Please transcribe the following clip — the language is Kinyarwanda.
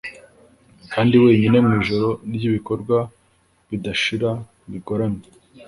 kandi wenyine mwijoro ryibikorwa bidashira, bigoramye